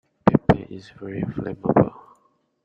Paper is very flammable.